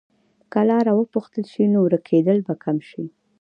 که لاره وپوښتل شي، نو ورکېدل به کم شي.